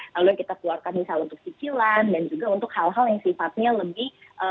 lalu yang kita keluarkan misal untuk cicilan dan juga untuk hal hal yang sifatnya lebih